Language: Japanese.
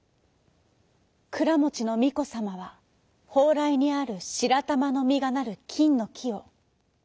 くらもちのみこさまはほうらいにあるしらたまのみがなるきんのきを。